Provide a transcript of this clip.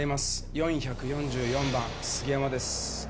４４４番杉山です。